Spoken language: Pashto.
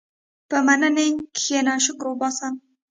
په مننې کښېنه، شکر وباسه.